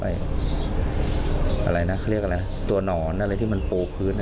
อะไรนะเขาเรียกอะไรตัวหนอนอะไรที่มันปูพื้น